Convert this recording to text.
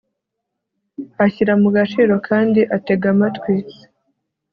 ashyira mu gaciro kandi atega amatwi